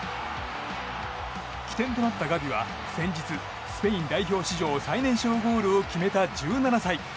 起点となったガビは先日スペイン史上最年少ゴールを決めた１７歳。